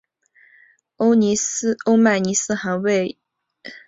欧迈尼斯还为雅典卫城建造欧迈尼斯柱廊。